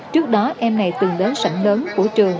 trước đó em này từ lớn sảnh lớn của trường